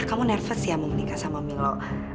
kamu nervous ya mau menikah sama milo